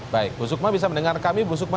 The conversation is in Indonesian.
baik bu sukma bisa mendengar kami bu sukma